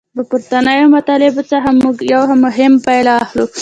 له پورتنیو مطالبو څخه موږ یوه مهمه پایله اخلو.